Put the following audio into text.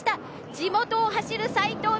地元を走る齋藤み